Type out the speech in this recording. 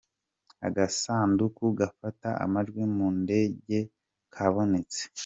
Agasandugu gafata amajwi mu ndege kabonetse.